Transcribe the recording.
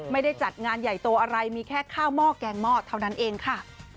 ไม่ได้จัดงานใหญ่โตอะไรมีแค่ข้าวหม้อแกงหม้อเท่านั้นเองค่ะ